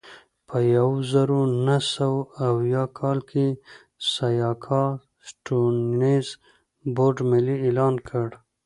په یوه زرو نهه سوه اویا کال کې سیاکا سټیونز بورډ ملي اعلان کړ.